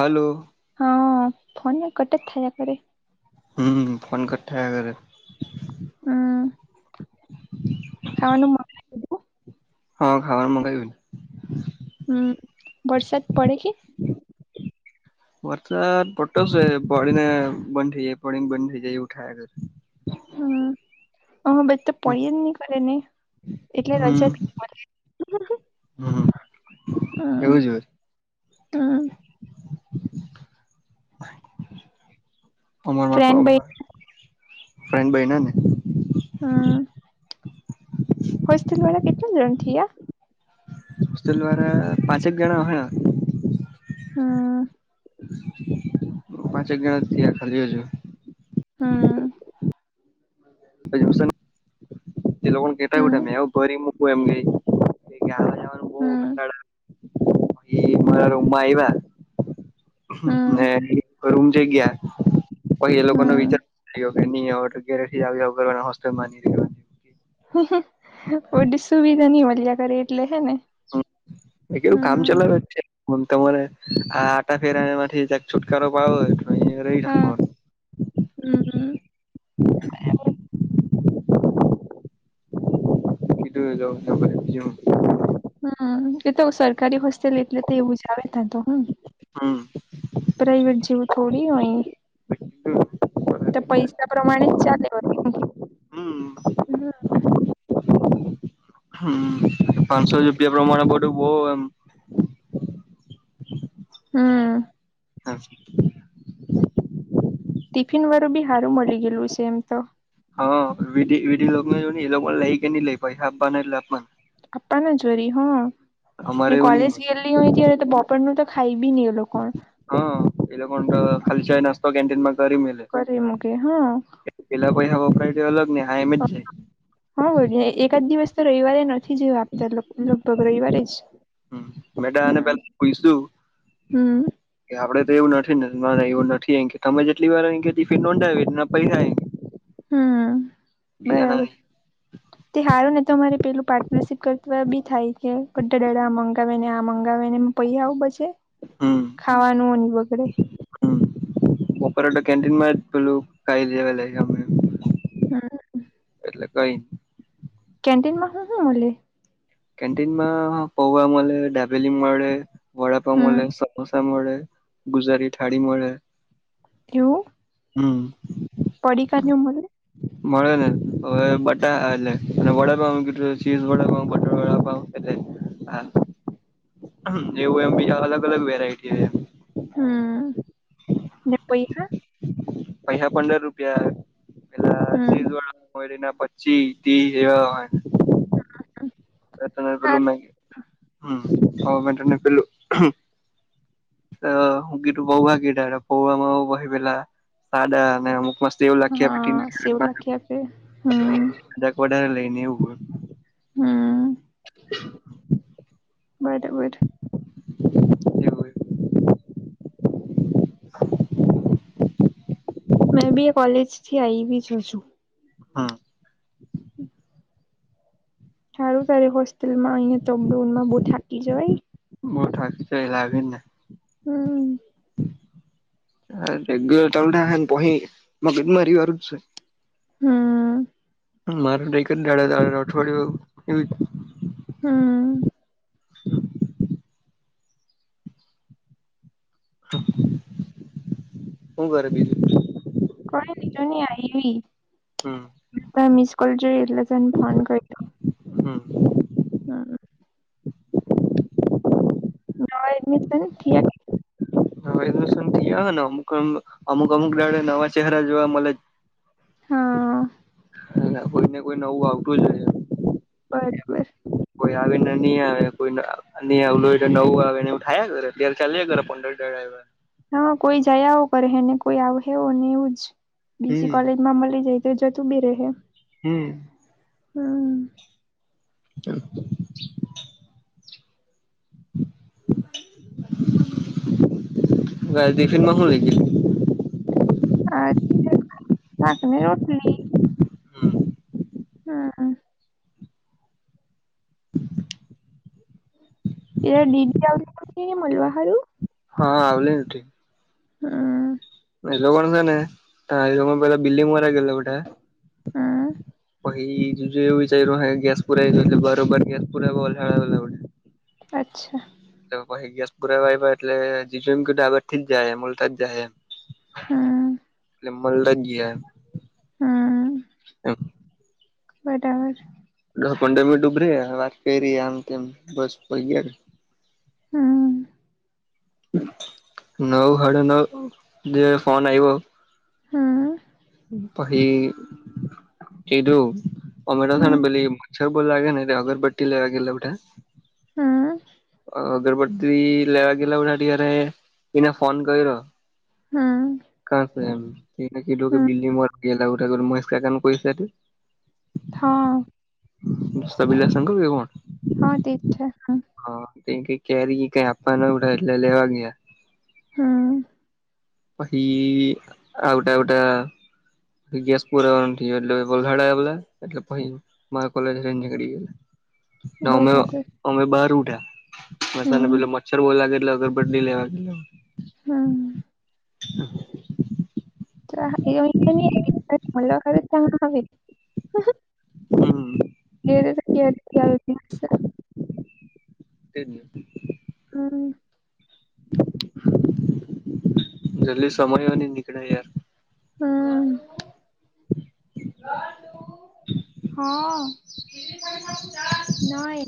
હ હલો. હા ફોન એક કટા થયા કર. હ ફોન કટ થયા કરે. હમ, ખાવાનું હ ખાવાનું મંગાવ્યું. હમ, વરસાદ પડે કે? વરસાદ પડતો છે પડીને બંધ થઈ જાય પડીને બંધ થઇ જાય એવું થયા કરે. હા, મ તો પડી જ [unintelligible] ને એટલે હમ રજા હમ એવું જ હોય. તો. અમરમાં ફ્રેન્ડ ભાઈ [unintelligible] ફ્રેન્ડ બયના ને. હા. હોસ્ટેલ વાળા કેટલા જણ થી યા? હોસ્ટેલ વાળા પાંચેક જણા આવ્યા. હમ. હ પાંચક જણા થયા ખાલી. હમ. [unintelligible] એ લોકોને કેતા [unintelligible] હમ મૂકો એમને આવા જવાના બહુ હમ કંટાળા મારા રૂમમાં આવ્યા. હમ રૂમ જઈ ગયા, પહિ એ લોકો નો હમ વિચારયો. ઘરે નહીં આવે આવીના [unintelligible] હોસ્ટેલ માંથી જી [unintelligible] હમ ઓ ડ સુવિધા ની મળ્યા કરે એટલે હે ને. એટલું કામ હમ ચલાવે છે ત્યાં. હ તો મને, આ આટા ફેરા માંથી છુટકારો પાડો તો અ રહી રાખો. હમ હમ. હ [inaudible] કેટું [unintelligible] હમ એ તો સરકારી હોસ્ટેલ એટલે તો એવું જ આવે ત્યાં તો હમ. હમ પ્રાઈવેટ જેવું થોડી હોય. તો પૈસા પ્રમાણે જ ચાલ્યું હોત. હમ્મ. હમ્મ. પાંસો રૂપિયા પ્રમાણે બધું બહુ એમ હમ્મ. [inaudible] ટિફિન વાળું બી હારું મલી ગયેલું છે એમ તો. હા. વિધી-વિધી લોગને જો ને એ લોકો લાઈ કે નઈ લાઈ, પૈસા આપવાના એટલે આપવાના. આપવાના જોરી હા. અમારે ને એવું નહી કોલેજ મળે. ગયેલી હોય ત્યારે તો બપોર નું તો ખાઈ બી નહીં લો. કોણ? હા. ઈ લોકો ને તો ખાલી ચાય નાસ્તો કેન્ટીનમાં કરી મેલે. કરી મૂકે હા. પેલા પૈહા વપરાય તે અલગ ને હા એમ જ જાય. હા [unintelligible] એકા જ દિવસ તો રઈવારે નથી [unintelligible] આપતા એ લોક. લગભગ રઈવારે જ. જાય મેં તો આને પેલા પૂયછું હમ્મ-હમ્મ. કે આપડે તો એવું નથી ને મારે એવું નથી [unintelligible] કે તમે જેટલી વાર એમ ક્યો ટિફીન નોંધાવીન ના પૈહાઈ હમ્મ, બીજાના બરાબર. નહીં. તે હારું ને તો અમારે પેલું પાર્ટનરશીપ કરતા બી થાય, કે [unintelligible] મંગાવે ને આ મંગાવે ને પૈહા આવું બચે, ખાવાનુંન બગડે. હમ્મ. બપોરે તો કેન્ટીન માં જ પેલું ખાઇ લેવાં હમ [unintelligible] એટલે કંઈ કેન્ટીનમાં હું-હું મલે? કેન્ટીન માં પૌવા મલે, ડાબેલી મળે વડાપાઉં હમ મલે, સમોસા મળે, ગુજરાતી થાળી મળે. એવું? હમ્મ. પડીકા ને એવું મલે? મળે ને. હવે બટા એટલે અને વડાપાઉં કીધું ચીઝ વડાપાઉં, બટર વડાપાઉં એટલે હા. એવું એમ બીજા અલગ-અલગ વેરાયટી હોઈ એમ. હમ્મ. ને પૈહા? પૈહા પંદર રૂપિયા, પેલા હમ ચીઝ વડાપાઉં એના પચ્ હા [unintelligible] હમ્મ. હવે મે તને પેલું અહ હું કીધું પૌવા કીધા, તો પૌવામાં [unintelligible] સાદા અને અમુક માં સેવ લાખી હા સેવ લખી આપે હમ [inaudible] [unintelligible] હમ્મ. [inaudible] બરબર. એવુ હે. [inaudible] મેં બી આ કોલેજ થી આઈવી જ હજું. હા. સારું તારી હોસ્ટેલમાં અહીંયા [unintelligible] બહુ થાકી જવાય. બહું થાક તો લાગે જ ને. હમ્મ. હા રેગ્યુલર તમને હેણ પહી મગજમારી વાળું છે. હમમ. મારે તો એકજ દાડે આવેલું અઠવાડિયું એવી રીતે હમમ. હમમ. હ, હું કરે બીજું? કોલેજ જઇને આયવી. હમમ. પણ મિસ કોલ જો એટલે તન ફોન કર્યો. હમ. સારુ. નવા એડમિશન થીયા કે? હ થયા ને અમુક આમ અમુક અમુક દાડે નવા ચહેરા જોવા મલે. હઅ. એટલે કોઈ ને કોઈ નવું આવતું જ રે છે. બરોબર. કોઈ આવીને નહી આવે કોઈ અને હવલ નું આવે એને એવું થયા કરે અત્યારે ચા કરે પંદર દઢ. હા કોઈ જયા હો કરે ને કોઈ આવવ ને એવુંજ, બીજી હમ કોલેજ માં મળી જાય. તેજ તું બી રહે. હમ. હમ. કેમ? ગાય દફિનમાંહું લઈ ગેલી? આ સાક ને રોટલી. ગયેલી હા. હ [inaudible] એ દડીદી આવ મલવા હારુ? હા આવલી. હ. એ લોકો કોણ છે ને સમય પેલા બિલ્લીંગર્યા ગે બટે. હા. હજ ગ્યાસ પુરા બાર બર ગ્યાસ પુરાવા વલસાડ આવેલા હુંતા. અચ્છા. એ પછી ગેસ પુરાવા એટલે જીજ એમ કું ડબરથી જાયમલતા જાય એમ. હમ મલદન ગયા. હમ, એમ બરાબર. પડમ ડૂબરે વાત કરી ર આમ તેમ બસ પ ગય. હા. નવ સાડ નવ જે ફોન આવઈ્યો. હા. પછ એટું અમરાથને હમ બલી બો લાગે ને અગરબટ્ટ લેવા ગે ઉઠા. હા. અગરબત્તી લેવા ગેલાઠા્યારે, એને ફોન કર્યો. હમ હમ [unintelligible] [unintelligible] હા [unintelligible] કે કોણ [unintelligible] હ એ કઈ કેરી કઈ આપવા ના ઉતા એટલે લેવા ગીયા હમ્મ પહિ આવટા આવટા ગેસ પુરાવાનો થીયો એટલે [unintelligible] એટલે પહિ મારા કોલેજ હે નીકળી બરાબર હમ ગયો. [unintelligible] મચ્છર બો લાગે એટલે અગરબત્તી લેવા ગીયો. હમ્મ [inaudible] [unintelligible] હમ્મ [unintelligible] તેજ ને હમ્મ જલ્દી સમય હો ની નિકળે યાર હમ્મ [inaudible] હા નઈ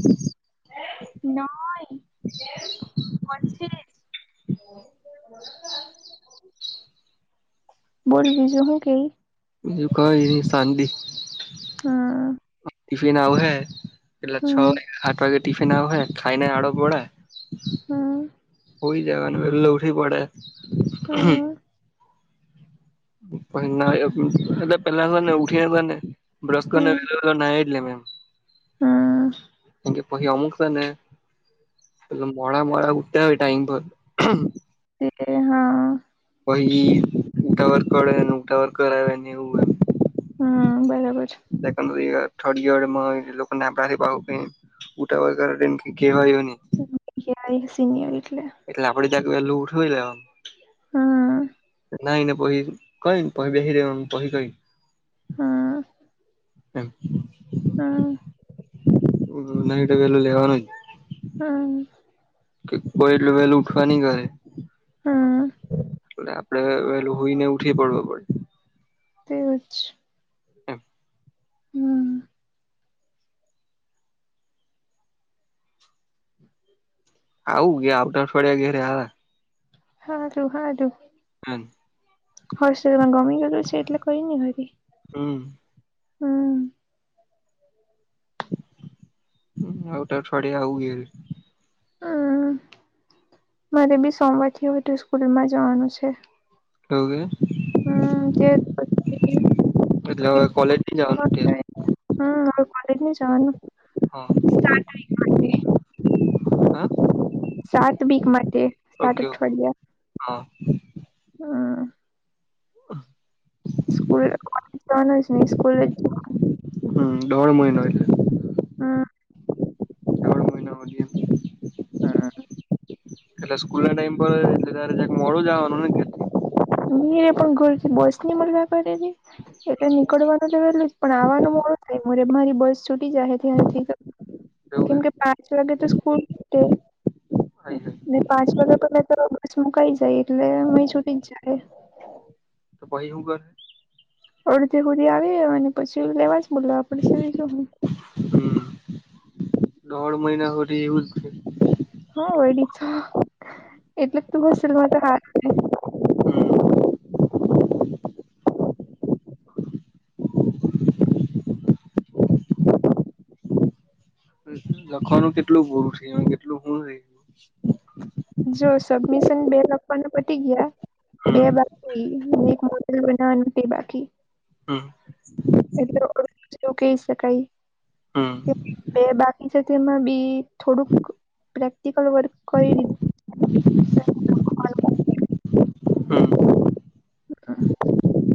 [inaudible] બોલ બીજું હું કેય બીજું કંઈ ની શાંતિ ટીફિન આવહે એટલે છ કે હાત વાગે ટીફિન આવઉ હે ખાયને આડો પડા. હુઈ જવાનું વેલો ઉઠી પડે [unintelligible] [unintelligible] હમ્મ કેમ કે પછી અમુક સે ને પે મોડા મોડા ઊઠતા હોય ટાઈમ પર [unintelligible] હા પહી ઉતાવળ કડે ને ને ઉતાવળ કરાવેને એવું એમ હમ્મ બરાબર છે. સેકન્ડ યર થર્ડ યર એ લોકો ના આપડા થી પાહુ કઈ ઉતાવળ કરે તેમ કય કેવાય હો ની ની કેવાય સિનયર એટલે એટલે આપડે જરાક વેલું ઉઠવી લેવાનું હમ્મ નાઈ ને પહી કઈ ની પહી બેહિ રેવાનું પહી કઈની હમ્મ [inaudible] હમ્મ [unintelligible] લેવાનું જ હમ. કે કોઈ એટલું વેલું ઉઠવા નહી ઘરે. પણ આપડે વેલો હોઈ ને ઉઠીએ પડવ પડે. તે જ. એમ હમ. આવું ગ્યા આવતા અઠવાડિયા ઘેરે આવે. હાજુ હાધું. હમ. હર્ષમાં ગમી ગયું છે એટલે કરીઈ ને ઘરી. હમ. હમ. આવતા અઠવાડિયે આવું ઘેરે. હમ મારે બી સોમવાર થી હો હતું સ્કૂલમાં જવાનું છે. એવું હમ તે પછી કે એટલે હવે કોલેજ જવાનું [unintelligible] હમ કોલેજ નહી જવાનું હા સ્ટાર [unintelligible] હા સાત વીક માટે સાત ઓકે ઓકે અઠવાડિયા હા હમ. અહ [unintelligible] સ્કૂલે જ હમ દોઢ મહિનો એટલે. હમ દોઢ મહિના [unintelligible] હમ એટલે સ્કૂલ ના ટાઈમ પર તો ત્યારે છેક મોડું જવાનું ને ઘેર. નીરે પણ ગોરથી બોસ ની મળવા કરેલી. એટલે નીકળવાનું તો વેલું પણ આવાનું મોડું થાય મારે મારી બસ છૂટી જાહેથી અહીંથી તો. કેમ કે પાંચ વાગે તો સ્કૂલ છૂટે. આઈ ગઈ. ને પાંચ વાગ્યા પેલા તો બસ મુકાઈ જાય એટલે અ છૂટી જ જાહે. તો પહી હું કરે. અડધેક હુધી આવીયે અને પછી લેવા જ બોલાવા પડસે બીજું હું. હમ દોઢ મહિના હુધી એવું જ છે. હા વડી તો એટલે તો હોસ્ટેલમાં રેતે તો હારુ ને. લખવાનું કેટલું પૂરું થયુ કેટલું હું રેયગુ. જો સબમિશન બે લખવાના પતી ગ્યા. બે હમ બાકી એક મોડેલ બનાવાનું તે બાકી. હમ. એટલે ઓ જેવું કહી શકાય. હમ હમ બે બાકી છે તેમાં બી થોડુંક પ્રેક્ટિકલ વર્ક કરી દીધું. [inaudible] હમ [unintelligible]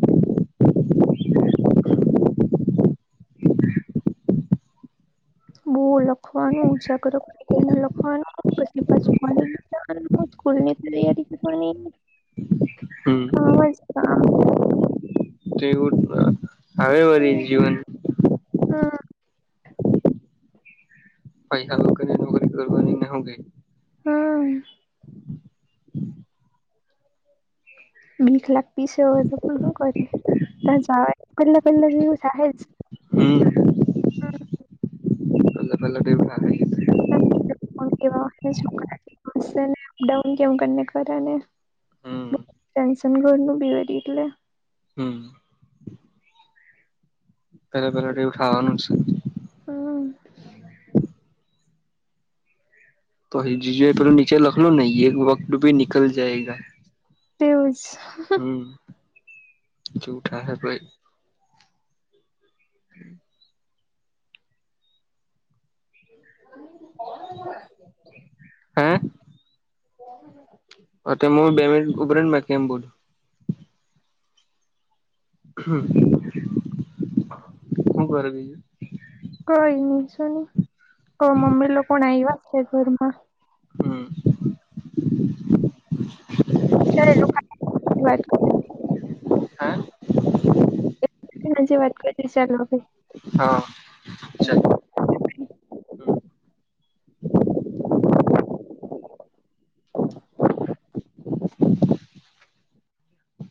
બો લખવાનું ઉજાગરો [unintelligible] લખવાનું પછી પાછું કોલેજ બી જવાનું સ્કૂલ ની બી તૈયારી કરવાની. [inaudible] હમ કામ જ કામ. જેવું જ [unintelligible] આવે વળી હમ જીવન ભાઈ હાલો કરીને નોકરી કરવાની ને હું કેય. હમ. બીક લાગતી છે હવે તો પણ હું કરે, તા જાવાય પેલાં પેલાં તો એવું થાહે જ. હમ, પેલા પેલા તો એવું થાહે જ. અમુક એવા ફ્રેન્ડ સાથે અપડાઉન કેવ કરને કરાને. હમ ટેન્શન ઘરનું બી વરી એટલે. હમ. પેલા પેલા તો એવું થવાનું છે. હમ. તો પહિ જીજુ એ પેલું નીચે લખલૂ ને યે વક્ત ભી નિકલ જાયેગા. તેવુ જ. હમ, જેવુ થાહે પહી. હ તું કોણ હાથે વાત [unintelligible] હે, હું બે મિનિટ ઉભી રેને મેં કેમ બધું. હમ હું કરે બીજું? કઈ ની જોની, તો મમ્મી લોકો આઈવા છે ઘર માં? હમ. ચાલ એલોકો હાથે વાત [unintelligible] હે હાંજે વાત કરીએ ચાલો હવે. હા, ચાલો. હમ [unintelligible]